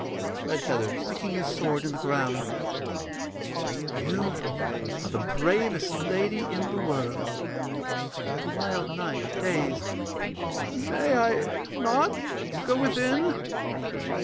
REDFEATHER [sticking his sword in the ground]. You are the bravest lady in the world. THE WILD KNIGHT [dazed]. May I not go within?